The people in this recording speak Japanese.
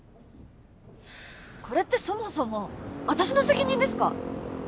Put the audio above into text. これってそもそも私の責任ですか！？